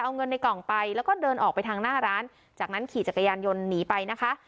เอาเงินในกล่องไปแล้วก็เดินออกไปทางหน้าร้านจากนั้นขี่จักรยานยนต์หนีไปนะคะ